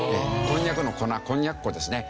こんにゃくの粉こんにゃく粉ですね。